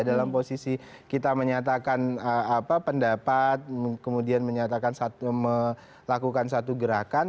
dalam posisi kita menyatakan pendapat kemudian menyatakan melakukan satu gerakan